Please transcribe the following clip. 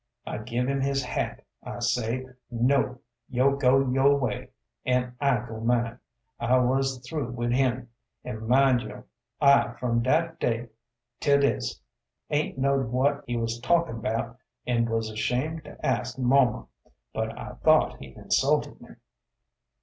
I give him his hat. I say, "no" yo' go yo' way an' I go mine. I wuz through wid him, an' mind yo' I from dat da' 'til dis aint knowed what he wuz talkin' 'bout an' wuz ashamed to ask muma; but I thought he insulted me.